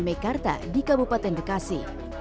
mekarta di kabupaten bekasi